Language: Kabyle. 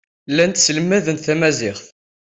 Llant sselmadent tamaziɣt.